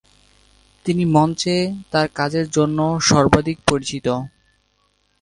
তিনি মঞ্চে তার কাজের জন্য সর্বাধিক পরিচিত।